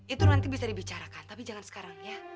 itu nanti bisa dibicarakan tapi jangan sekarang ya